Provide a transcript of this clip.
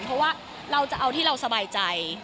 เพราะว่าเราจะเอาที่เราสบายใจ